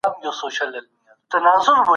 تاسي ولي د یووالي په ارزښت پوه نه سواست؟